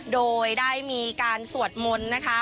โดยได้มีการสวดมนต์นะคะ